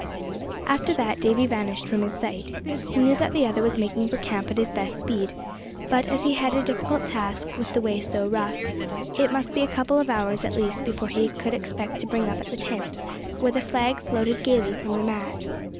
After that Davy vanished from his sight. He knew that the other was making for camp at his best speed; but as he had a difficult task, with the way so rough, it must be a couple of hours at least before he could expect to bring up at the tents, where the flag floated gaily from the mast.